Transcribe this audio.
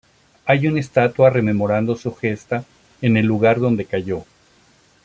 Hay una estatua rememorando su gesta en el lugar donde cayó.